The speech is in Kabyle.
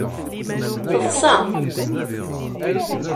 Teḍsa.